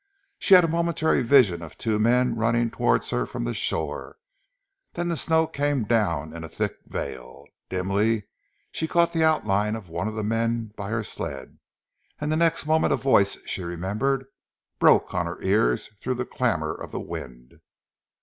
She had a momentary vision of two men running towards her from the shore, then the snow came down in a thick veil. Dimly she caught the outline of one of the men by her sled, and the next moment a voice she remembered broke on her ears through the clamour of the wind.